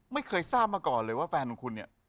ไม่เคยทราบมาก่อนเลยว่าแฟนของคุณเนี่ย